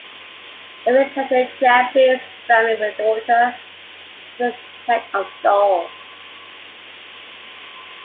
Every traditional Japanese family with a daughter has a set of dolls.